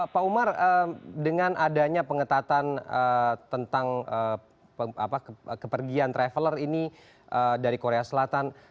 pak umar dengan adanya pengetatan tentang kepergian traveler ini dari korea selatan